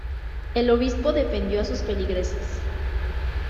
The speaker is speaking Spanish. El obispo defendió a sus feligreses.